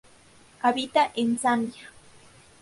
Habita en Zambia.